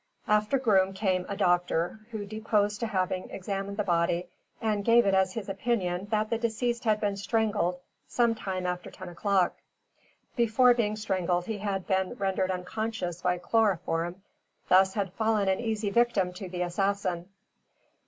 After Groom came a doctor, who deposed to having examined the body, and gave it as his opinion that the deceased had been strangled some time after ten o'clock. Before being strangled he had been rendered unconscious by chloroform, thus had fallen an easy victim to the assassin.